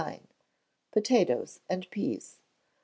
Potatoes and Peas.